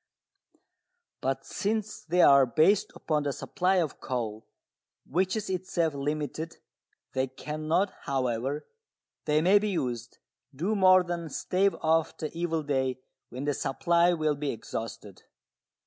] But since they are based upon the supply of coal, which is itself limited, they cannot, however they may be used, do more than stave off the evil day when the supply will be exhausted.